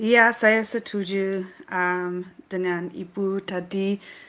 ya saya setuju dengan ibu tadi